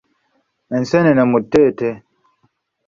Enseenene mu tteete.